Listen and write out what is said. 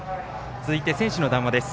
続いて、選手の談話です。